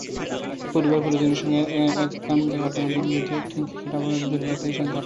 পরিবার-পরিজনের সঙ্গে একান্তে কাটানো দিনগুলোতে ক্রিকেট আপাতত দূরেই রাখতে চান তাঁরা।